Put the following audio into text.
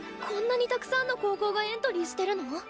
こんなにたくさんの高校がエントリーしてるの？